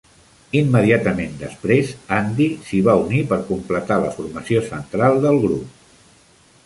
Immediatament després, Andy s'hi va unir per completar la formació central del grup.